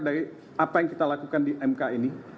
dari apa yang kita lakukan di mk ini